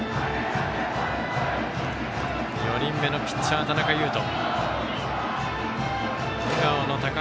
４人目のピッチャー、田中優飛。